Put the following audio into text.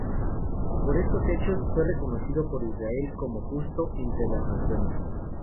Por estos hechos, fue reconocido por Israel como Justo entre las Naciones.